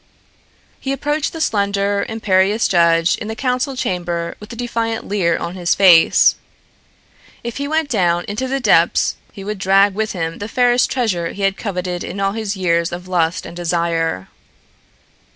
He approached the slender, imperious judge in the council chamber with a defiant leer on his face. If he went down into the depths he would drag with him the fairest treasure he had coveted in all his years of lust and desire.